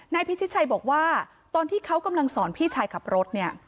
พิชิตชัยบอกว่าตอนที่เขากำลังสอนพี่ชายขับรถเนี่ย